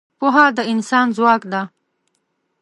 پوهه د انسان ځواک ده.